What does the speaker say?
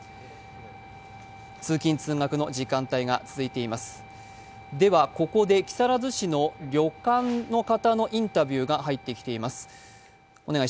通勤・通学の時間帯が続いていますでは、ここで木更津市の旅館の方のインタビューが入ってきています。